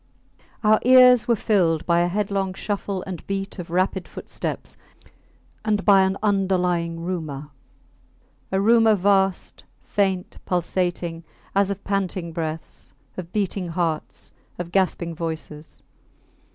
Our ears were filled by a headlong shuffle and beat of rapid footsteps and by an underlying rumour a rumour vast, faint, pulsating, as of panting breaths, of beating hearts, of gasping voices.